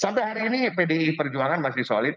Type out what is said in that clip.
sampai hari ini pdi perjuangan masih solid